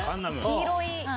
黄色い。